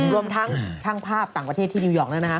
รวมทั้งช่างภาพต่างประเทศที่นิวยอร์กแล้วนะคะ